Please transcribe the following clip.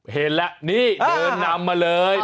เห็นแล้วนี่เดินนำมาเลย